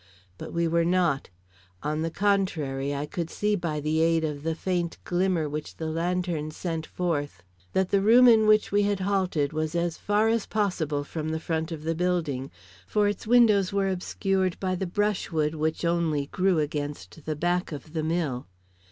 But we were not; on the contrary, I could see by the aid of the faint glimmer which the lantern sent forth, that the room in which we had halted was as far as possible from the front of the building, for its windows were obscured by the brush wood which only grew against the back of the mill.